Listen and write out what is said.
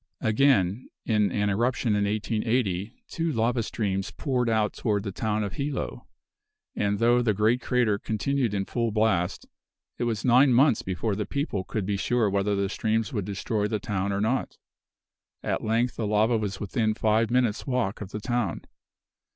Again, in an eruption in 1880, two lava streams poured out toward the town of Hilo; and though the great crater continued in full blast, it was nine months before the people could be sure whether the streams would destroy the town or not. At length the lava was within five minutes walk of the town.